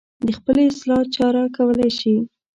د خپلې اصلاح چاره کولی شي.